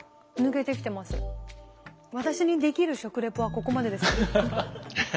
私にできる食レポはここまでです。